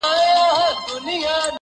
• د زنده گۍ ياري كړم.